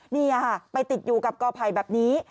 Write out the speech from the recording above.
นี่ค่ะไปติดอยู่กับกอไผ่แบบนี้